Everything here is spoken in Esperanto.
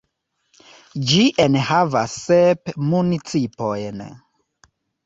Ĝi enhavas sep municipojn.